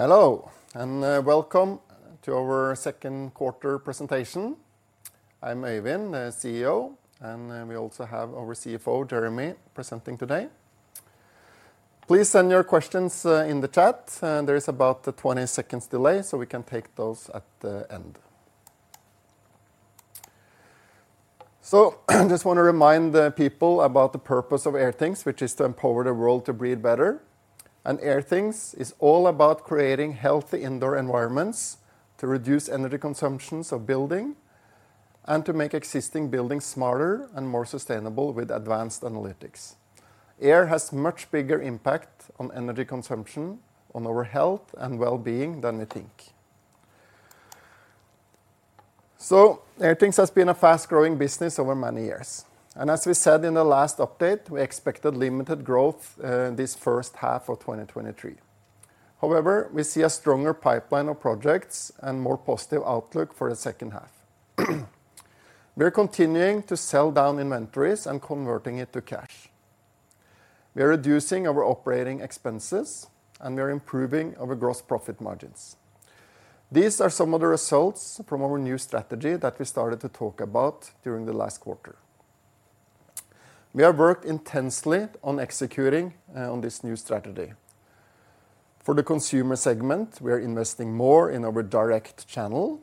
Hello, welcome to our second quarter presentation. I'm Øyvind, the CEO, we also have our CFO, Jeremy, presenting today. Please send your questions in the chat, there is about a 20 seconds delay, we can take those at the end. I just want to remind people about the purpose of Airthings, which is to empower the world to breathe better. Airthings is all about creating healthy indoor environments to reduce energy consumptions of building and to make existing buildings smarter and more sustainable with advanced analytics. Air has much bigger impact on energy consumption, on our health and well-being than we think. Airthings has been a fast-growing business over many years, as we said in the last update, we expected limited growth this first half of 2023. However, we see a stronger pipeline of projects and more positive outlook for the second half. We're continuing to sell down inventories and converting it to cash. We are reducing our OpEx. We are improving our gross profit margins. These are some of the results from our new strategy that we started to talk about during the last quarter. We have worked intensely on executing on this new strategy. For the consumer segment, we are investing more in our direct channel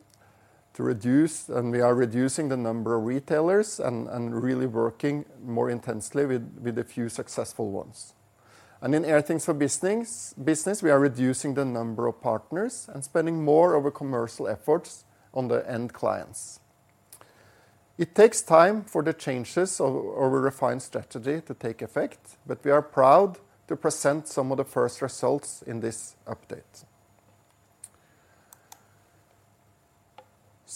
to reduce. We are reducing the number of retailers and really working more intensely with a few successful ones. In Airthings for Business, we are reducing the number of partners and spending more of our commercial efforts on the end clients. It takes time for the changes of our refined strategy to take effect, we are proud to present some of the first results in this update.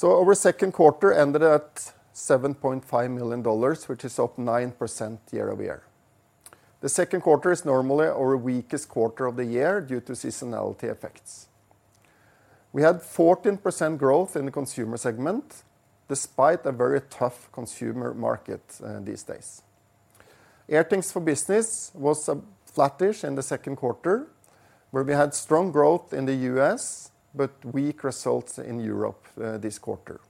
Our second quarter ended at $7.5 million, which is up 9% year-over-year. The second quarter is normally our weakest quarter of the year due to seasonality effects. We had 14% growth in the consumer segment, despite a very tough consumer market these days. Airthings for Business was flattish in the second quarter, where we had strong growth in the US, but weak results in Europe this quarter.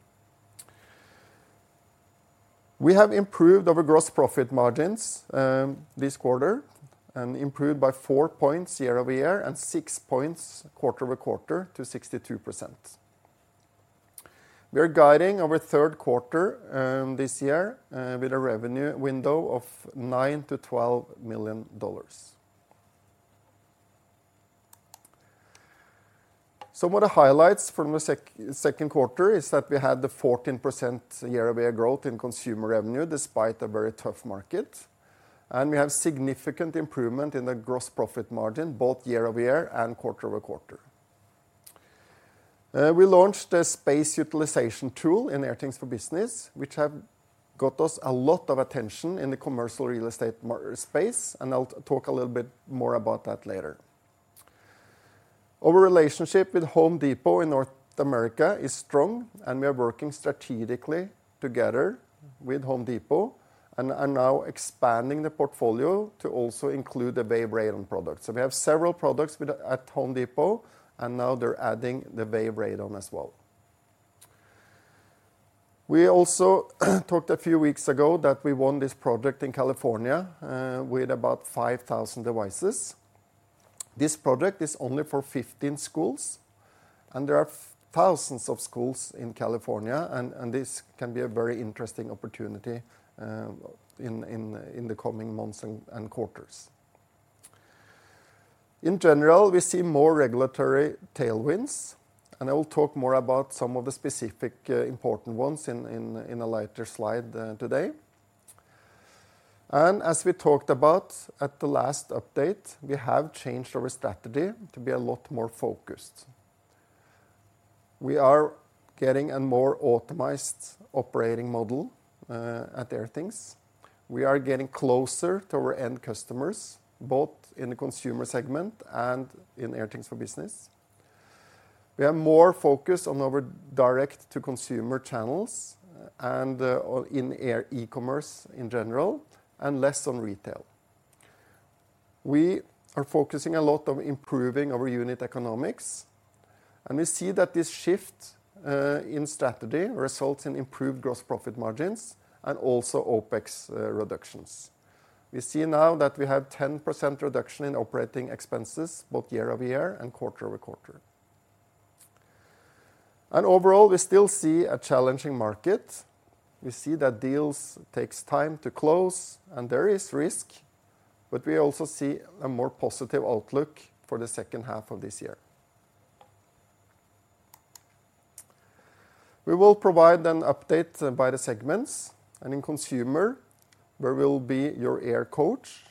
We have improved our gross profit margins this quarter, and improved by four points year-over-year, and six points quarter-over-quarter to 62%. We are guiding our third quarter this year with a revenue window of $9 million-$12 million. Some of the highlights from the second quarter is that we had the 14% year-over-year growth in consumer revenue, despite a very tough market. We have significant improvement in the gross profit margin, both year-over-year and quarter-over-quarter. We launched a space utilization tool in Airthings for Business, which have got us a lot of attention in the commercial real estate space. I'll talk a little bit more about that later. Our relationship with Home Depot in North America is strong. We are working strategically together with Home Depot. Are now expanding the portfolio to also include the Wave Radon product. We have several products with at Home Depot. Now they're adding the Wave Radon as well. We also talked a few weeks ago that we won this project in California with about 5,000 devices. This project is only for 15 schools, there are thousands of schools in California, and this can be a very interesting opportunity in the coming months and quarters. In general, we see more regulatory tailwinds, I will talk more about some of the specific important ones in a later slide today. As we talked about at the last update, we have changed our strategy to be a lot more focused. We are getting a more optimized operating model at Airthings. We are getting closer to our end customers, both in the consumer segment and in Airthings for Business. We are more focused on our direct-to-consumer channels and or in e-commerce in general, and less on retail. We are focusing a lot on improving our unit economics, and we see that this shift in strategy results in improved gross profit margins and also OpEx reductions. We see now that we have 10% reduction in operating expenses, both year-over-year and quarter-over-quarter. Overall, we still see a challenging market. We see that deals takes time to close and there is risk, but we also see a more positive outlook for the second half of this year. We will provide an update by the segments. In Consumer, where we will be your air coach.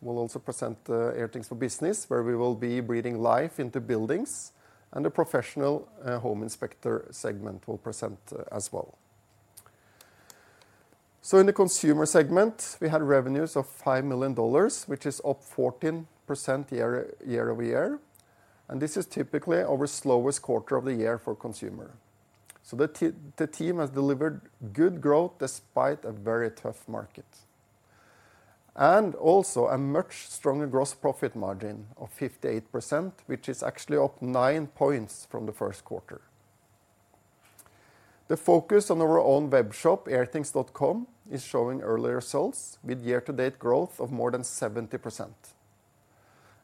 We'll also present Airthings for Business, where we will be breathing life into buildings. The Professional Home Inspector segment will present as well. In the Consumer segment, we had revenues of $5 million, which is up 14% year-over-year, and this is typically our slowest quarter of the year for consumer. The team has delivered good growth despite a very tough market. Also a much stronger gross profit margin of 58%, which is actually up 9 points from the first quarter. The focus on our own webshop, airthings.com, is showing early results, with year-to-date growth of more than 70%,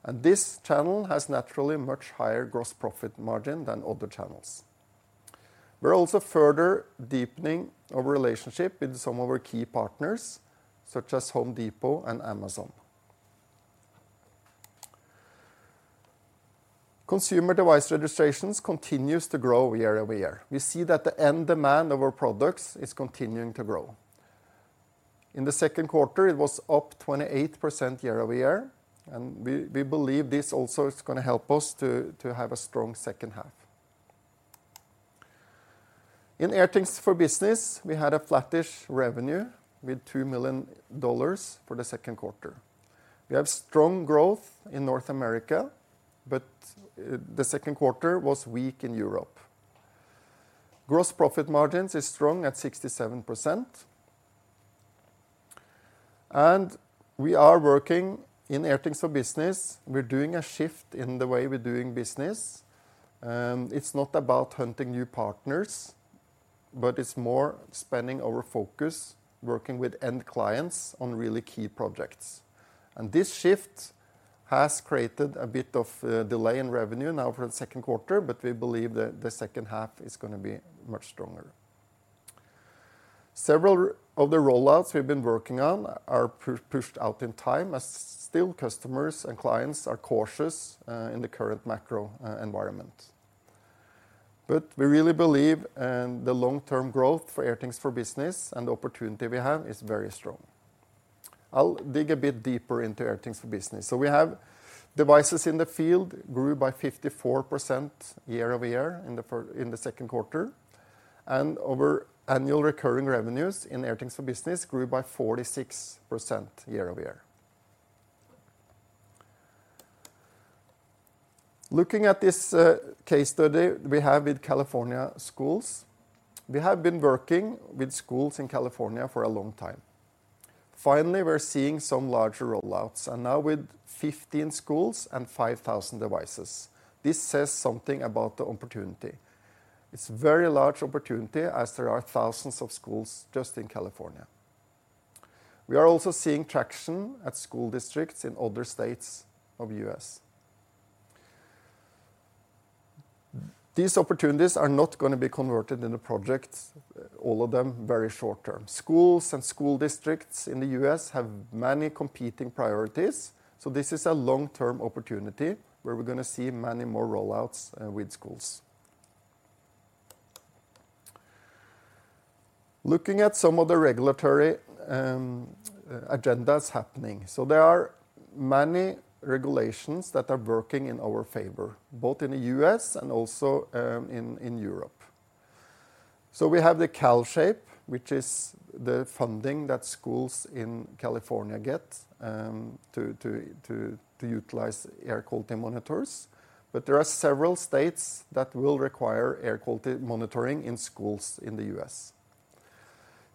and this channel has naturally much higher gross profit margin than other channels. We're also further deepening our relationship with some of our key partners, such as Home Depot and Amazon. Consumer device registrations continues to grow year-over-year. We see that the end demand of our products is continuing to grow. In the second quarter, it was up 28% year-over-year, and we believe this also is gonna help us to have a strong second half. In Airthings for Business, we had a flattish revenue with $2 million for the second quarter. We have strong growth in North America, but the second quarter was weak in Europe. Gross profit margins is strong at 67%. We are working in Airthings for Business, we're doing a shift in the way we're doing business, it's not about hunting new partners, but it's more expanding our focus, working with end clients on really key projects, and this shift has created a bit of delay in revenue now for the second quarter. We believe that the second half is gonna be much stronger. Several of the rollouts we've been working on are pushed out in time, as still customers and clients are cautious in the current macro environment. We really believe the long-term growth for Airthings for Business and the opportunity we have is very strong. I'll dig a bit deeper into Airthings for Business. We have devices in the field grew by 54% year-over-year in the second quarter, and our annual recurring revenues in Airthings for Business grew by 46% year-over-year. Looking at this case study we have with California schools, we have been working with schools in California for a long time. Finally, we're seeing some larger rollouts, now with 15 schools and 5,000 devices. This says something about the opportunity. It's a very large opportunity, as there are thousands of schools just in California. We are also seeing traction at school districts in other states of U.S. These opportunities are not gonna be converted into projects, all of them, very short term. Schools and school districts in the U.S. have many competing priorities. This is a long-term opportunity, where we're gonna see many more rollouts with schools. Looking at some of the regulatory agendas happening. There are many regulations that are working in our favor, both in the U.S. and also in Europe. We have the CalSHAPE, which is the funding that schools in California get to utilize air quality monitors, but there are several states that will require air quality monitoring in schools in the U.S.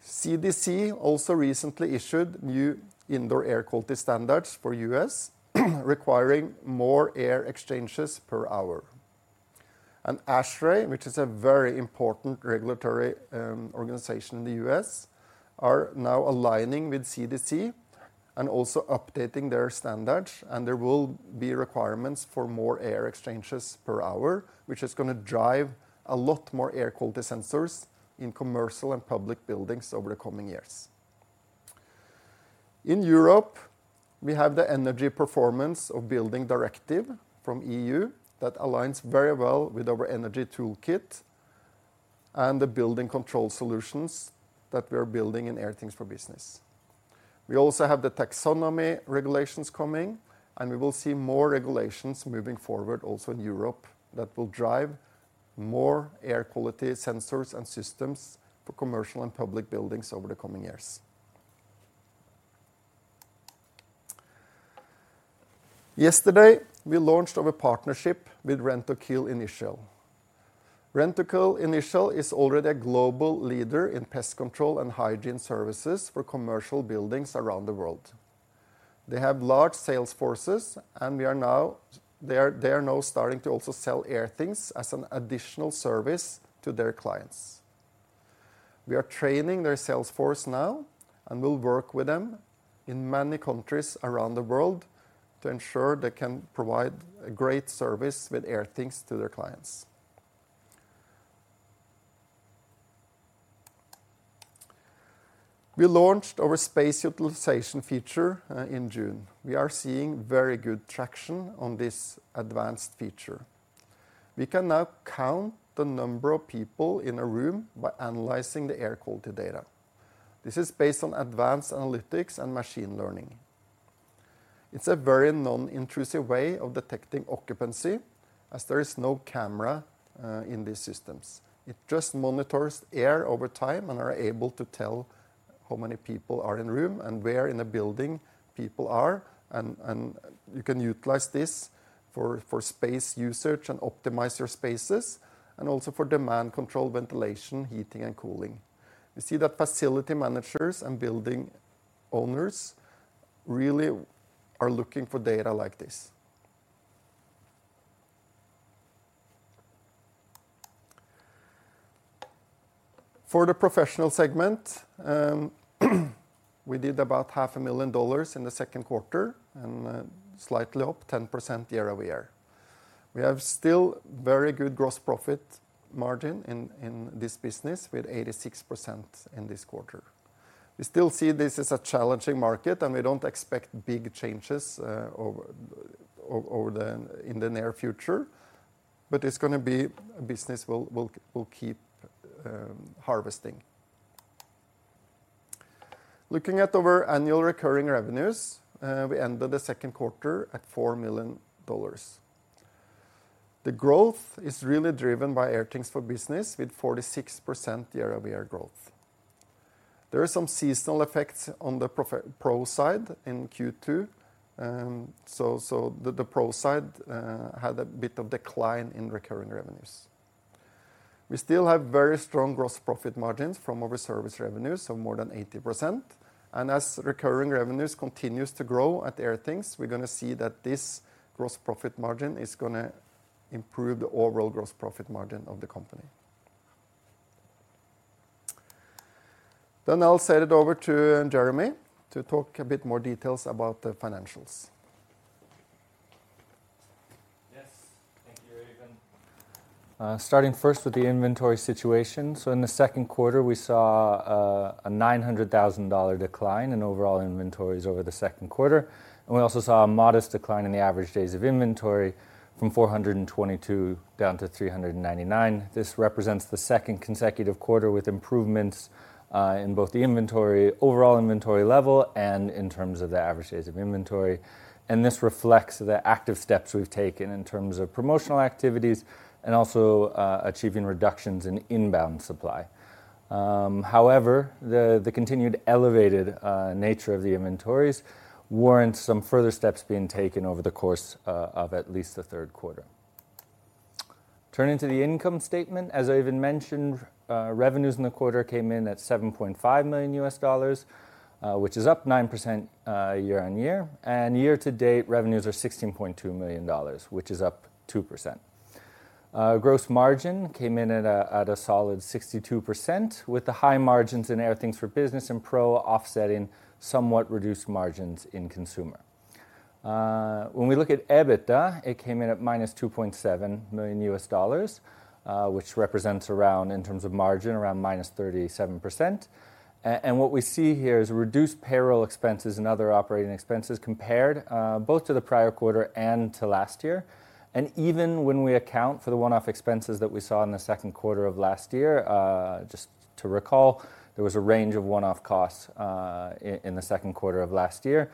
CDC also recently issued new indoor air quality standards for U.S., requiring more air exchanges per hour. ASHRAE, which is a very important regulatory organization in the U.S., are now aligning with CDC and also updating their standards, and there will be requirements for more air exchanges per hour, which is gonna drive a lot more air quality sensors in commercial and public buildings over the coming years. In Europe, we have the Energy Performance of Buildings Directive from EU that aligns very well with our energy toolkit and the building control solutions that we are building in Airthings for Business. We also have the Taxonomy Regulation coming, and we will see more regulations moving forward, also in Europe, that will drive more air quality sensors and systems for commercial and public buildings over the coming years. Yesterday, we launched our partnership with Rentokil Initial. Rentokil Initial is already a global leader in pest control and hygiene services for commercial buildings around the world. They have large sales forces, and they are now starting to also sell Airthings as an additional service to their clients. We are training their sales force now, and we'll work with them in many countries around the world to ensure they can provide a great service with Airthings to their clients. We launched our space utilization feature in June. We are seeing very good traction on this advanced feature. We can now count the number of people in a room by analyzing the air quality data. This is based on advanced analytics and machine learning. It's a very non-intrusive way of detecting occupancy, as there is no camera in these systems. It just monitors air over time and are able to tell how many people are in room and where in the building people are, and you can utilize this for space usage and optimize your spaces, and also for demand control ventilation, heating, and cooling. We see that facility managers and building owners really are looking for data like this. For the professional segment, we did about half a million dollars in the second quarter, slightly up 10% year-over-year. We have still very good gross profit margin in this business, with 86% in this quarter. We still see this as a challenging market, we don't expect big changes over the in the near future, but it's gonna be a business we'll keep harvesting. Looking at our annual recurring revenues, we ended Q2 at $4 million. The growth is really driven by Airthings for Business, with 46% year-over-year growth. There are some seasonal effects on the Pro side in Q2. The Pro side had a bit of decline in recurring revenues. We still have very strong gross profit margins from our service revenues, so more than 80%. As recurring revenues continues to grow at Airthings, we're gonna see that this gross profit margin is gonna improve the overall gross profit margin of the company. I'll send it over to Jeremy to talk a bit more details about the financials. Yes. Thank you, Øyvind. Starting first with the inventory situation. In the second quarter, we saw a $900,000 decline in overall inventories over the second quarter, and we also saw a modest decline in the average days of inventory from 422 down to 399. This represents the second consecutive quarter with improvements in both the overall inventory level and in terms of the average days of inventory. This reflects the active steps we've taken in terms of promotional activities and also achieving reductions in inbound supply. However, the continued elevated nature of the inventories warrants some further steps being taken over the course of at least the third quarter. Turning to the income statement, as Øyvind mentioned, revenues in the quarter came in at $7.5 million, which is up 9% year-on-year, and year to date, revenues are $16.2 million, which is up 2%. Gross margin came in at a solid 62%, with the high margins in Airthings for Business and Pro offsetting somewhat reduced margins in consumer. When we look at EBITDA, it came in at -$2.7 million, which represents around, in terms of margin, around -37%. And what we see here is reduced payroll expenses and other operating expenses compared both to the prior quarter and to last year. Even when we account for the one-off expenses that we saw in the second quarter of last year, just to recall, there was a range of one-off costs in the second quarter of last year,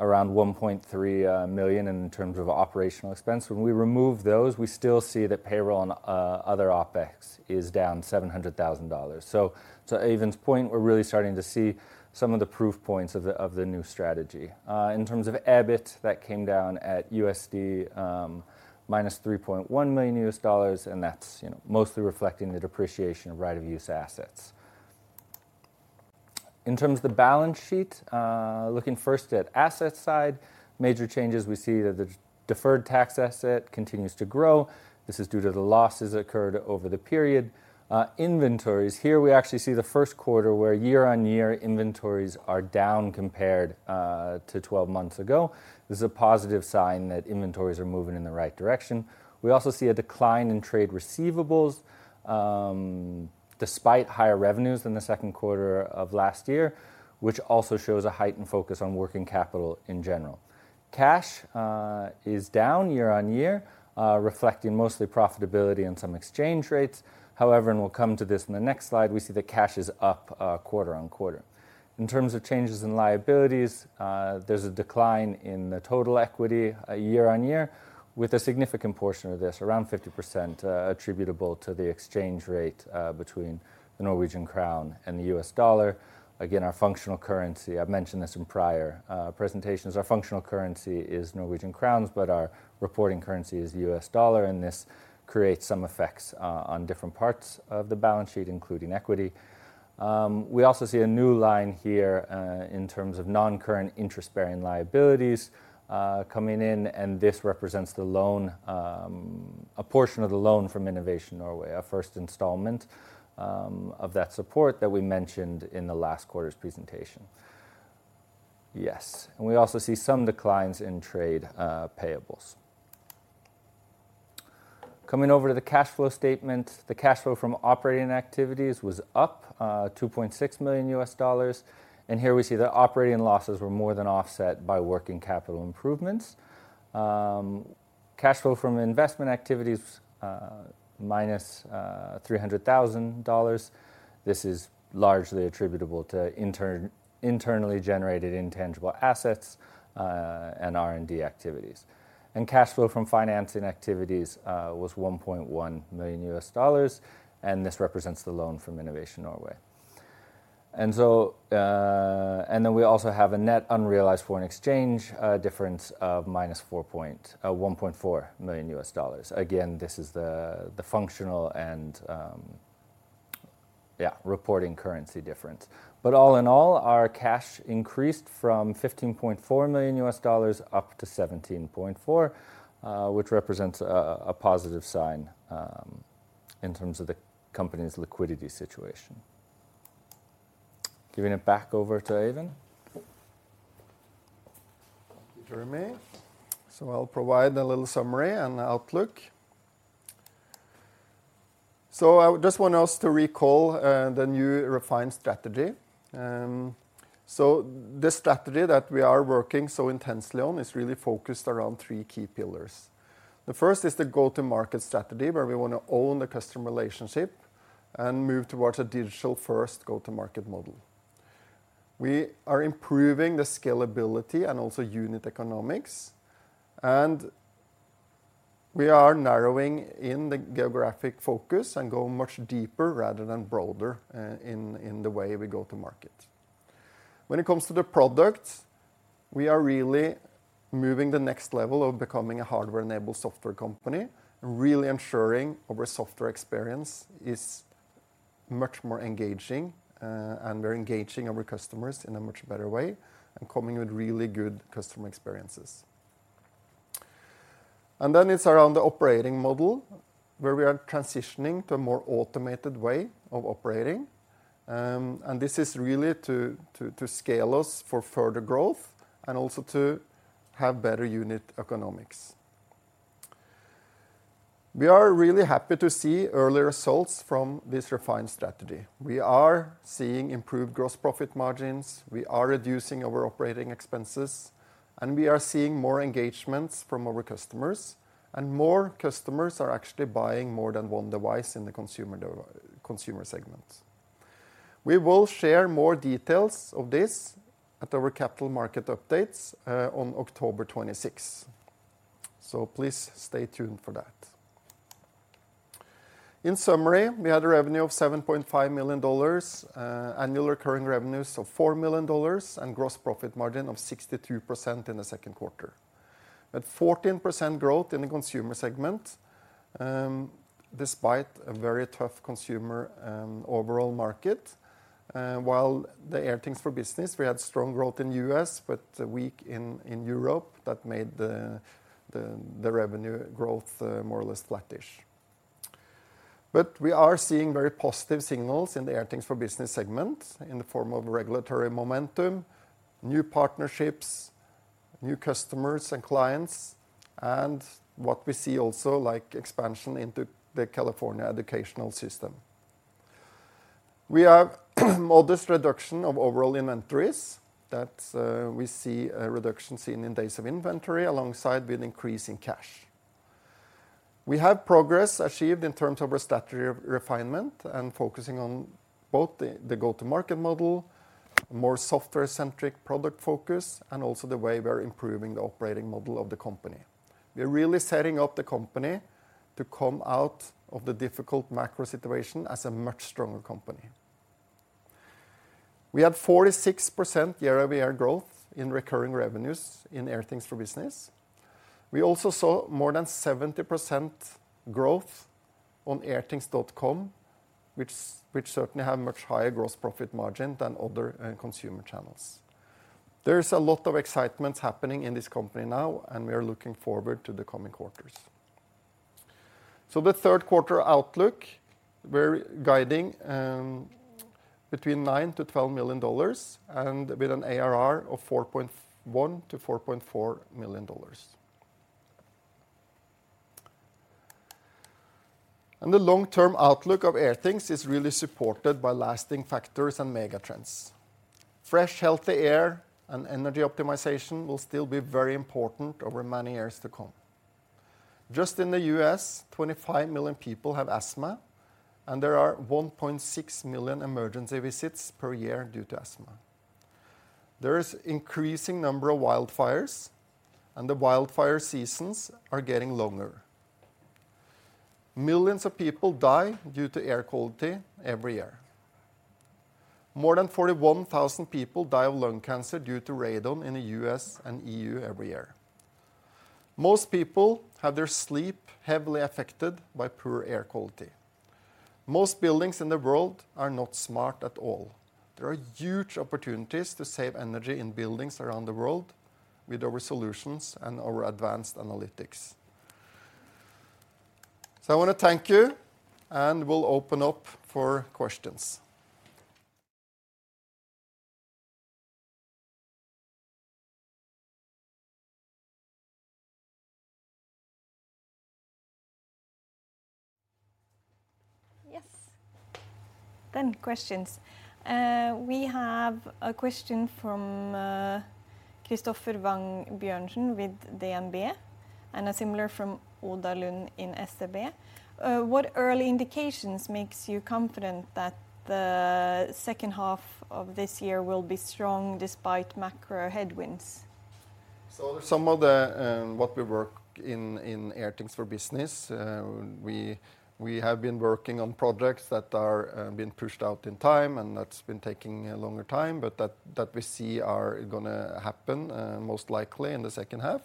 around $1.3 million in terms of OpEx. When we remove those, we still see that payroll and other OpEx is down $700,000. To Øyvind's point, we're really starting to see some of the proof points of the new strategy. In terms of EBIT, that came down at -$3.1 million, and that's, you know, mostly reflecting the depreciation of right-of-use assets. In terms of the balance sheet, looking first at asset side, major changes, we see that the deferred tax asset continues to grow. This is due to the losses occurred over the period. Inventories, here we actually see the first quarter where year-on-year inventories are down compared to 12 months ago. This is a positive sign that inventories are moving in the right direction. We also see a decline in trade receivables despite higher revenues than the second quarter of last year, which also shows a heightened focus on working capital in general. Cash is down year-on-year, reflecting mostly profitability and some exchange rates. However, and we'll come to this in the next slide, we see that cash is up quarter-on-quarter. In terms of changes in liabilities, there's a decline in the total equity year-on-year, with a significant portion of this, around 50%, attributable to the exchange rate between the Norwegian krone and the US dollar. Again, our functional currency, I've mentioned this in prior presentations. Our functional currency is Norwegian crowns, but our reporting currency is the US dollar, and this creates some effects on different parts of the balance sheet, including equity. We also see a new line here in terms of non-current interest-bearing liabilities coming in, and this represents the loan, a portion of the loan from Innovation Norway, our first installment of that support that we mentioned in the last quarter's presentation. Yes, we also see some declines in trade payables. Coming over to the cash flow statement, the cash flow from operating activities was up $2.6 million, and here we see the operating losses were more than offset by working capital improvements. Cash flow from investment activities, minus $300,000. This is largely attributable to internally generated intangible assets and R&D activities. Cash flow from financing activities was $1.1 million, and this represents the loan from Innovation Norway. We also have a net unrealized foreign exchange difference of minus $1.4 million. Again, this is the functional and, yeah, reporting currency difference. All in all, our cash increased from $15.4 million up to $17.4 million, which represents a positive sign in terms of the company's liquidity situation. Giving it back over to Øyvind. Thank you, Jeremy. I'll provide a little summary and outlook. I just want us to recall the new refined strategy. This strategy that we are working so intensely on is really focused around three key pillars. The first is the go-to-market strategy, where we want to own the customer relationship and move towards a digital-first go-to-market model. We are improving the scalability and also unit economics, and we are narrowing in the geographic focus and go much deeper rather than broader in the way we go to market. When it comes to the product, we are really moving the next level of becoming a hardware-enabled software company, and really ensuring our software experience is much more engaging, and we're engaging our customers in a much better way and coming with really good customer experiences. It's around the operating model, where we are transitioning to a more automated way of operating. This is really to, to scale us for further growth and also to have better unit economics. We are really happy to see early results from this refined strategy. We are seeing improved gross profit margins, we are reducing our operating expenses, we are seeing more engagements from our customers, and more customers are actually buying more than one device in the consumer segment. We will share more details of this at our capital market updates, on October 26, please stay tuned for that. In summary, we had a revenue of $7.5 million, annual recurring revenues of $4 million, and gross profit margin of 62% in the second quarter. At 14% growth in the consumer segment, despite a very tough consumer, overall market, while the Airthings for Business, we had strong growth in US but weak in Europe. That made the revenue growth more or less flattish. We are seeing very positive signals in the Airthings for Business segment in the form of regulatory momentum, new partnerships, new customers and clients, and what we see also, like expansion into the California educational system. We have modest reduction of overall inventories, that we see a reduction seen in days of inventory, alongside with increase in cash. We have progress achieved in terms of our strategy refinement and focusing on both the go-to-market model, more software-centric product focus, and also the way we are improving the operating model of the company. We are really setting up the company to come out of the difficult macro situation as a much stronger company. We had 46% year-over-year growth in recurring revenues in Airthings for Business. We also saw more than 70% growth on airthings.com, which certainly have much higher gross profit margin than other consumer channels. There is a lot of excitement happening in this company now, and we are looking forward to the coming quarters. The third quarter outlook, we're guiding between $9 million-$12 million, and with an ARR of $4.1 million-$4.4 million. The long-term outlook of Airthings is really supported by lasting factors and mega trends. Fresh, healthy air and energy optimization will still be very important over many years to come. Just in the U.S., 25 million people have asthma, and there are 1.6 million emergency visits per year due to asthma. There is increasing number of wildfires, and the wildfire seasons are getting longer. Millions of people die due to air quality every year. More than 41,000 people die of lung cancer due to radon in the U.S. and EU every year. Most people have their sleep heavily affected by poor air quality. Most buildings in the world are not smart at all. There are huge opportunities to save energy in buildings around the world with our solutions and our advanced analytics. I want to thank you, and we'll open up for questions. Yes. questions. We have a question from Christoffer Wang Bjørnsen with DNB, and a similar from Oda Lund in SEB. What early indications makes you confident that the second half of this year will be strong despite macro headwinds? Some of the, what we work in Airthings for Business, we have been working on projects that are being pushed out in time, and that's been taking a longer time, but that we see are gonna happen most likely in the second half.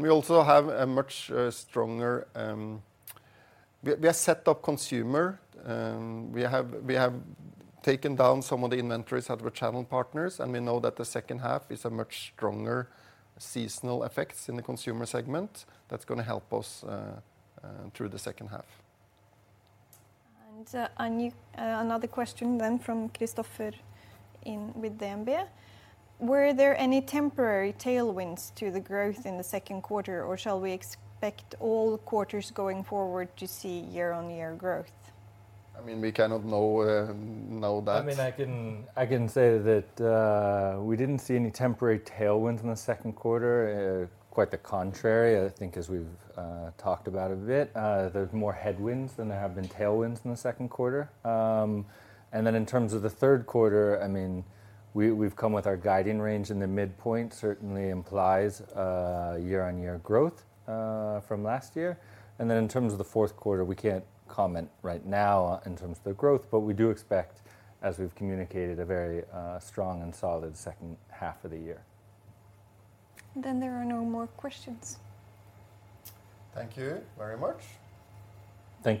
We also have a much stronger. We have set up consumer, we have taken down some of the inventories at our channel partners, and we know that the second half is a much stronger seasonal effects in the consumer segment. That's gonna help us through the second half. A new, another question then from Christoffer with DNB: Were there any temporary tailwinds to the growth in the second quarter, or shall we expect all quarters going forward to see year-on-year growth? I mean, we cannot know that. I mean, I can say that we didn't see any temporary tailwinds in the second quarter. Quite the contrary, I think as we've talked about a bit, there's more headwinds than there have been tailwinds in the second quarter. In terms of the third quarter, I mean, we've come with our guiding range, and the midpoint certainly implies year-on-year growth from last year. In terms of the fourth quarter, we can't comment right now in terms of the growth, but we do expect, as we've communicated, a very strong and solid second half of the year. There are no more questions. Thank you very much. Thank you.